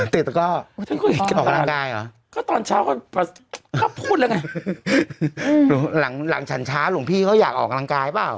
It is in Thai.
เตะตะก้อออกกำลังกายหรอก็ตอนเช้าก็พูดแล้วไงหลังหลังฉันช้าหลวงพี่เขาอยากออกกำลังกายเปล่า